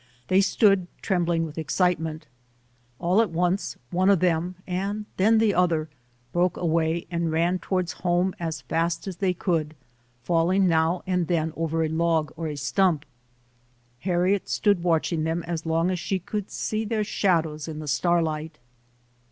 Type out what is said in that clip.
They stood trem bling with excitement. All at once, one of them and then the other broke away and ran towards home as fast as they could, falling now and then over a log or a stump. Harriet stood watching them as long as she could see their shadows in the starlight.